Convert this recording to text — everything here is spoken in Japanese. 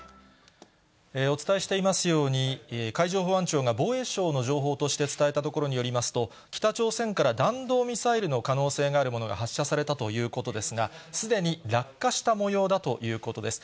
お伝えしていますように、海上保安庁が防衛省の情報として伝えたところによりますと、北朝鮮から弾道ミサイルの可能性があるものが発射されたということですが、すでに落下したもようだということです。